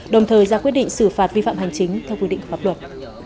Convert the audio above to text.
đồng thời ra quyết định xử phạt vi phạm hành chính theo quy định pháp luật